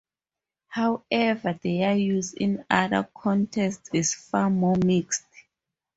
However, their use in other contexts is far more mixed.